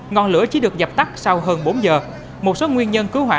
ngọn lửa chỉ được dập tắt sau hơn bốn giờ